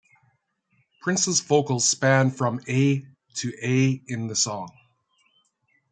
Prince's vocals span from A to A in the song.